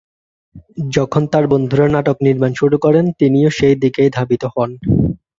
যখন তার বন্ধুরা নাটক নির্মাণ শুরু করেন, তিনিও সেই দিকেই ধাবিত হন।